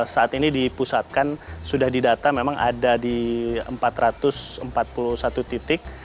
saat ini dipusatkan sudah didata memang ada di empat ratus empat puluh satu titik